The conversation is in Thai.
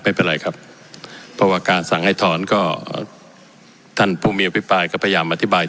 ไม่เป็นไรครับเพราะว่าการสั่งให้ถอนก็ท่านผู้มีอภิปรายก็พยายามอธิบาย